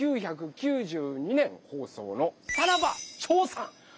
１９９２年放送の「さらばチョーさん」。